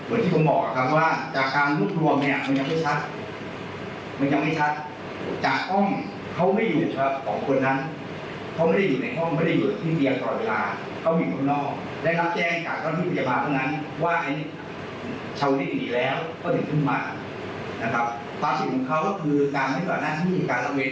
เหมือนที่ผมบอกครับว่าจากการรวบรวมเนี่ยมันยังไม่ชัด